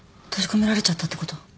閉じ込められちゃったってこと？